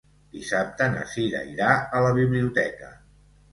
Dissabte na Cira irà a la biblioteca.